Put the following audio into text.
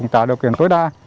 tạo điều kiện tối đa